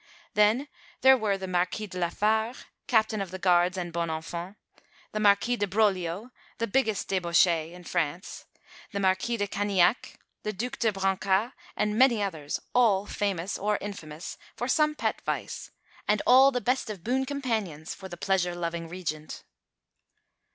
Then there were the Marquis de la Fare, Captain of Guards and bon enfant; the Marquis de Broglio, the biggest debauchee in France, the Marquis de Canillac, the Duc de Brancas, and many another all famous (or infamous) for some pet vice, and all the best of boon companions for the pleasure loving Regent.